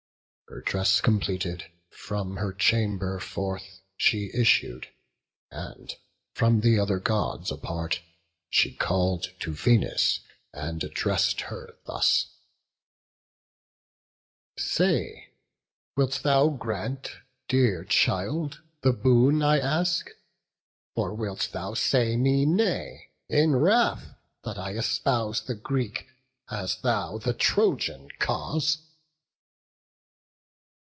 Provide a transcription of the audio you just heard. Her dress completed, from her chamber forth She issued, and from th' other Gods apart She call'd to Venus, and address'd her thus: "Say, wilt thou grant, dear child, the boon I ask? Or wilt thou say me nay, in wrath that I Espouse the Greek, as thou the Trojan cause?"